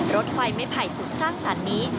รถไฟไม้ไผ่สุดสร้างตอนนี้